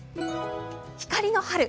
光の春。